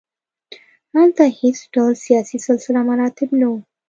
هلته هېڅ ډول سیاسي سلسله مراتب نه وو.